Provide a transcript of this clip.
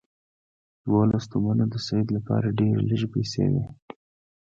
دوولس تومنه د سید لپاره ډېرې لږې پیسې وې.